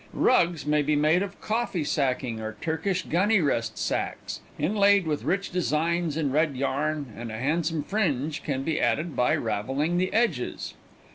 Rugs may be made of coffee sacking or Turkish gunny rest sacks, inlaid with rich designs in red yarn, and a handsome fringe can be added by raveling the edges.